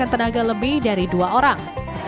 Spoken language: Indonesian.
dan menggunakan tenaga lebih dari dua orang